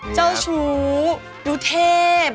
เจ้าชู้ดูเทพ